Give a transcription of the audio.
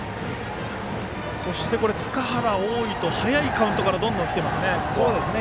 そして、塚原、大井と早いカウントからどんどん、きてますね。